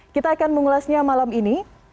kita akan mengulasnya malam ini